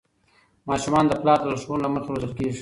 ماشومان د پلار د لارښوونو له مخې روزل کېږي.